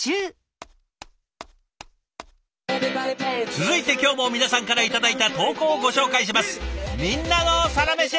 続いて今日も皆さんから頂いた投稿をご紹介します。